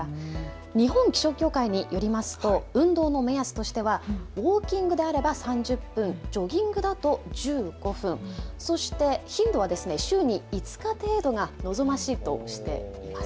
日本気象協会によりますと運動の目安としてはウォーキングであれば３０分、ジョギングだと１５分、そして頻度は週に５日程度が望ましいとしています。